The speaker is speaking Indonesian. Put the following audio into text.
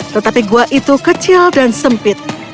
tetapi gua itu kecil dan sempit